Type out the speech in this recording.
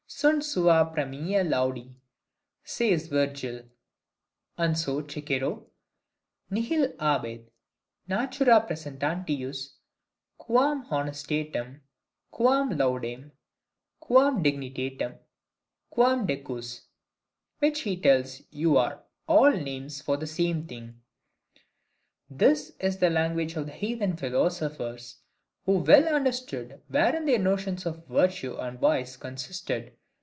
Sunt sua praemia laudi, says Virgil; and so Cicero, Nihil habet natura praestantius, quam honestatem, quam laudem, quam dignitatem, quam decus, which he tells you are all names for the same thing. This is the language of the heathen philosophers, who well understood wherein their notions of virtue and vice consisted.